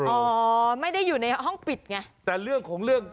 แบบนี้คือแบบนี้คือแบบนี้คือแบบนี้คือแบบนี้คือ